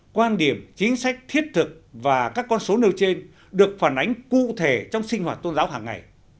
quan điểm chính sách thiết thực và các con số nêu trên được phản ánh cụ thể trong sinh hoạt tôn giáo hàng ngày